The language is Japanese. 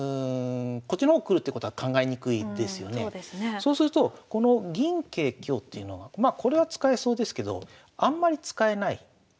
そうするとこの銀桂香っていうのがまあこれは使えそうですけどあんまり使えない。